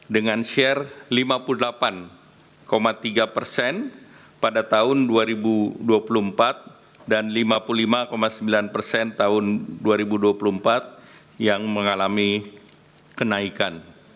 dengan share lima puluh delapan tiga persen pada tahun dua ribu dua puluh empat dan lima puluh lima sembilan persen tahun dua ribu dua puluh empat yang mengalami kenaikan